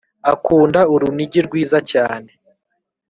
akunda urunigi rwiza cyane.